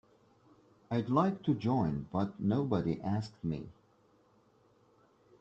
I'd like to join but nobody asked me.